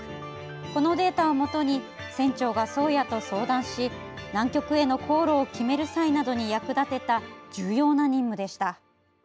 このデータをもとに船長が「宗谷」と相談し南極への航路を決める際などに役立てた重要な任務でした。